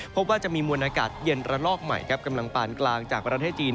พบว่าจะมีมวลอากาศเย็นระลอกใหม่ครับกำลังปานกลางจากประเทศจีน